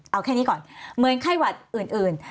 เอาแค่นี้ก่อนเหมือนไข้หวัดอื่น